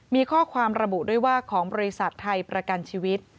มีข้อความระบุด้วยว่าของบริษัทไทยประกันชีวิต